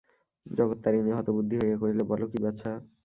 জগত্তারিণী হতবুদ্ধি হইয়া কহিলেন, বল কী বাছা?